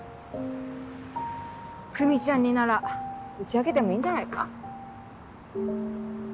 久美ちゃんになら打ち明けてもいいんじゃないか？